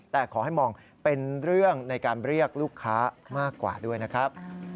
แต่ขอให้มองเป็นเรื่องในการเรียกลูกค้ามากกว่าด้วยนะครับ